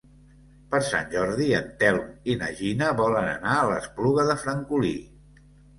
Per Sant Jordi en Telm i na Gina volen anar a l'Espluga de Francolí.